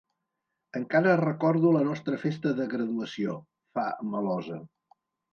Encara recordo la nostra festa de graduació —fa, melosa.